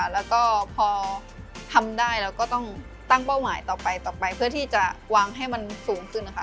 แล้วก็พอทำได้เราก็ต้องตั้งเป้าหมายต่อไปต่อไปเพื่อที่จะวางให้มันสูงขึ้นนะคะ